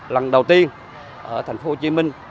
lần đầu tiên ở thành phố hồ chí minh